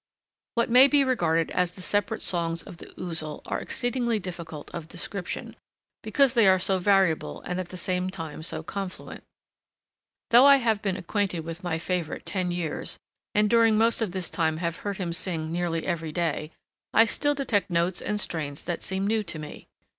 What may be regarded as the separate songs of the Ouzel are exceedingly difficult of description, because they are so variable and at the same time so confluent. Though I have been acquainted with my favorite ten years, and during most of this time have heard him sing nearly every day, I still detect notes and strains that seem new to me.